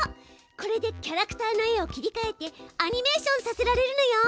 これでキャラクターの絵を切りかえてアニメーションさせられるのよ！